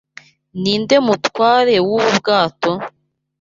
Ninde mutware wubu bwato?